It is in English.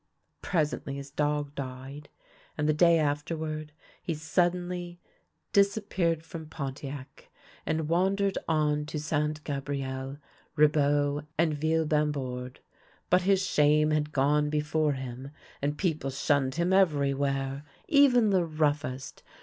Presently his dog died, and the day afterward he sud denly disappeared from Pontiac, and wandered on to Ste. Gabrielle, Ribeaux, and Ville Bambord. But his shame had gone before him, and people shunned him everywhere, even the roughest.